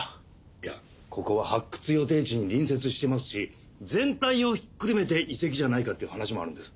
いやここは発掘予定地に隣接してますし全体をひっくるめて遺跡じゃないかっていう話もあるんです。